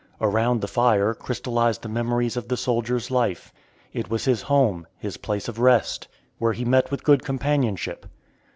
Around the fire crystallize the memories of the soldier's life. It was his home, his place of rest, where he met with good companionship.